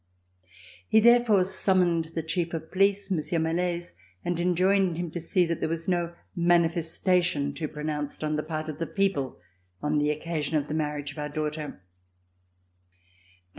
He therefore summoned the Chief of Police, Mon sieur Malaise, and enjoined him to see that there was no manifestation, too pronounced, on the part of the people on the occasion of the marriage of our daughter.